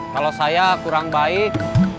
kalau saya kurang baik